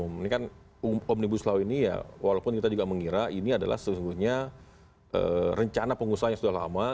ini kan omnibus law ini ya walaupun kita juga mengira ini adalah sesungguhnya rencana pengusaha yang sudah lama